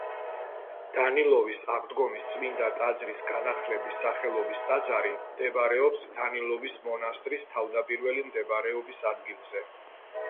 დანილოვის აღდგომის წმინდა ტაძრის განახლების სახელობის ტაძარი მდებარეობს დანილოვის მონასტრის თავდაპირველი მდებარეობის ადგილზე.